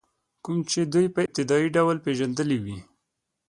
کوم چې دوی په ابتدایي ډول پېژندلي وي.